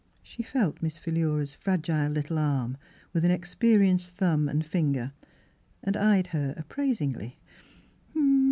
She felt Miss Philura's fragile little arm with an experienced thumb and finger, and eyed her appraisingly.